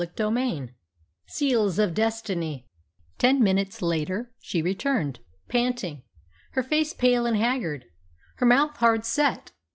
CHAPTER III SEALS OF DESTINY Ten minutes later she returned, panting, her face pale and haggard, her mouth hard set.